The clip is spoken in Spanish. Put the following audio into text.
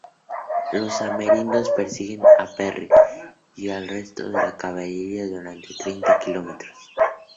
Los amerindios persiguieron a Perry y al resto de la caballería durante treinta kilómetros.